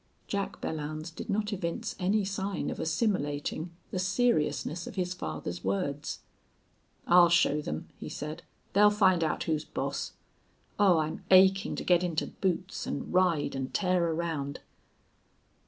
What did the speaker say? Jack Belllounds did not evince any sign of assimilating the seriousness of his father's words. "I'll show them," he said. "They'll find out who's boss. Oh, I'm aching to get into boots and ride and tear around."